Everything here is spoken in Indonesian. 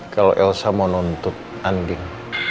kalau elsa mau nuntut anding